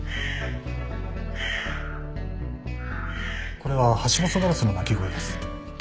これはハシボソガラスの鳴き声です。